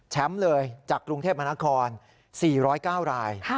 แชมป์เลยจากกรุงเทพฯมหานคร๔๐๙ราย